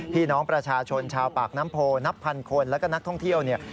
พี่น้องประชาชนชาวปากน้ำโพนับพันคนแล้วก็นักท่องเที่ยวเนี่ย